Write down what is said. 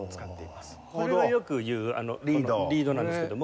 これがよく言うリードなんですけども。